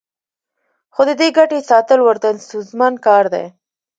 خو د دې ګټې ساتل ورته ستونزمن کار دی